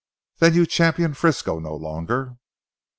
Then you champion Frisco no longer?"